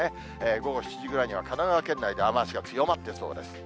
午後７時ぐらいには神奈川県内で雨足が強まってそうです。